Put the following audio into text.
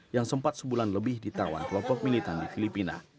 yang sempat sebulan lebih ditawan kelompok militan di filipina